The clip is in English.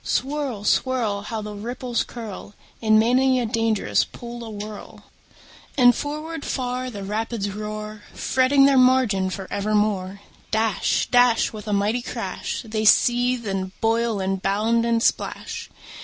Swirl, swirl! How the ripples curl In many a dangerous pool awhirl! And forward far the rapids roar, Fretting their margin for evermore. Dash, dash, With a mighty crash, They seethe, and boil, and bound, and splash.